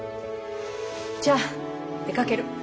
じゃあ出かける。